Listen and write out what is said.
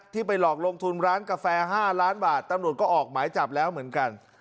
ไปหลอกลงทุนร้านกาแฟ๕ล้านบาทตำรวจก็ออกหมายจับแล้วเหมือนกัน